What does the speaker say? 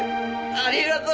ありがとう！